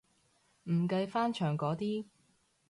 唔計翻牆嗰啲